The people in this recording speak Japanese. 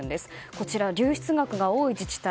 こちら、流出額が多い自治体。